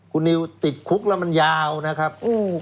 คุณนิวติดคุกแล้วมันยาวนะครับ